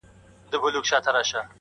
ستا په تصویر پسې اوس ټولي بُتکدې لټوم-